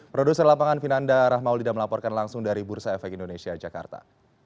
produser lapangan vinanda rahmaulida melaporkan langsung dari bursa efek indonesia jakarta